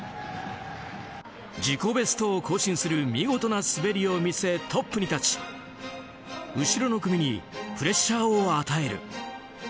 自己ベストを更新する見事な滑りを見せ、トップに立ち後ろの組にプレッシャーを与える。